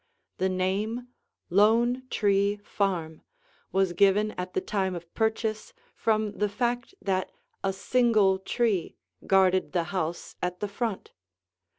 The name "Lone Tree Farm" was given at the time of purchase from the fact that a single tree guarded the house at the front.